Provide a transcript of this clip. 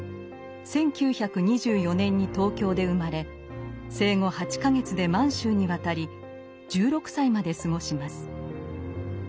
１９２４年に東京で生まれ生後８か月で満州に渡り１６歳まで過ごします。